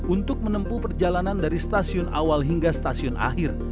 untuk menempuh perjalanan dari stasiun awal hingga stasiun akhir